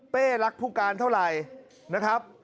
เป้รักผู้การเท่าไรนะครับ